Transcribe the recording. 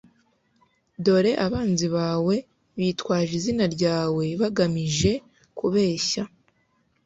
dore abanzi bawe bitwaje izina ryawe bagamije kubeshya